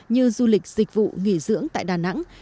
như du lịch dịch vụ nghỉ dưỡng tại đà nẵng